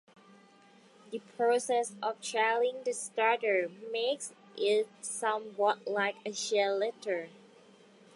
The process of sharing the starter makes it somewhat like a chain letter.